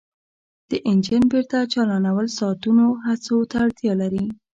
د انجن بیرته چالانول ساعتونو هڅو ته اړتیا لري